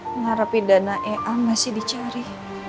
mengharap pidana ea masih dicari